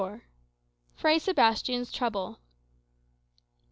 XXXIV. Fray Sebastian's Trouble.